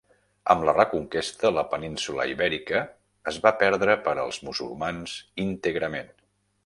Amb la Reconquesta, la Península Ibèrica es va perdre per als musulmans íntegrament.